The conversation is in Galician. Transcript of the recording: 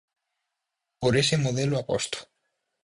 Por ese modelo aposto.